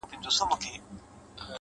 چي د ارواوو په نظر کي بند سي”